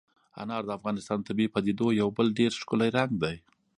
انار د افغانستان د طبیعي پدیدو یو بل ډېر ښکلی رنګ دی.